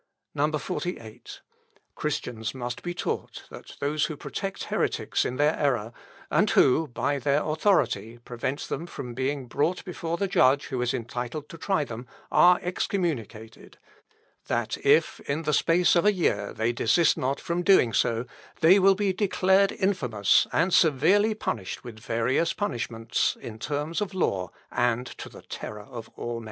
48. "Christians must be taught that those who protect heretics in their error, and who, by their authority, prevent them from being brought before the judge who is entitled to try them, are excommunicated; that if, in the space of a year, they desist not from doing so, they will be declared infamous, and severely punished with various punishments, in terms of law, and to the terror of all men.